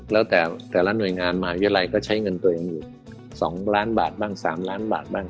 แล้วแต่แต่ละหน่วยงานมหาวิทยาลัยก็ใช้เงินตัวเองอยู่๒ล้านบาทบ้าง๓ล้านบาทบ้าง